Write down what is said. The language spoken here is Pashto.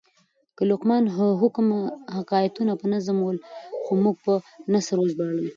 د لقمان حکم حکایتونه په نظم ول؛ خو موږ په نثر وژباړل.